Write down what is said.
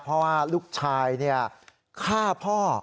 เพราะว่าลูกชายฆ่าพ่อ